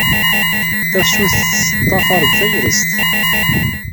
Tafsut tettḍafar-d tagrest.